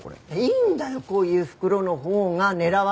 いいんだよこういう袋のほうが狙われないで。